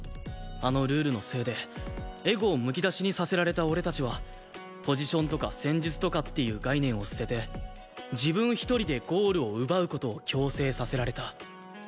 あのルールのせいでエゴをむき出しにさせられた俺たちはポジションとか戦術とかっていう概念を捨てて自分一人でゴールを奪う事を強制させられた。